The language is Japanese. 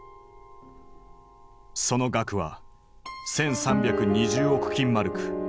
その額は１，３２０億金マルク。